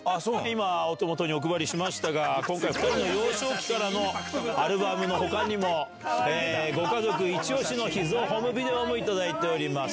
今、お手元にお配りしましたが、今回、２人の幼少期からのアルバムのほかにも、ご家族イチオシの秘蔵ホームビデオも頂いております。